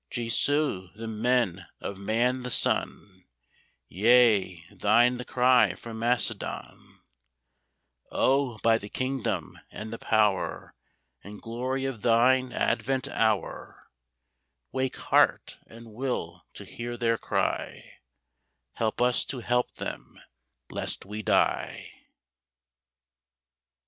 JESU, for men of Man the SON, Yea, THINE the cry from Macedon; Oh, by the kingdom and the power And glory of Thine advent hour, Wake heart and will to hear their cry: Help us to help them, lest we die.